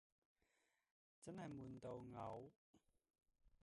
真係悶到嘔